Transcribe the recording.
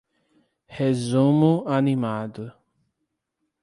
Resumo animado